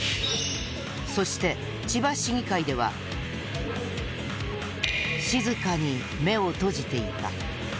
そして千葉市議会では静かに目を閉じていた。